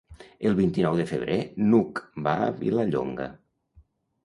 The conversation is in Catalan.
El vint-i-nou de febrer n'Hug va a Vilallonga.